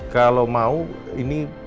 kalau mau ini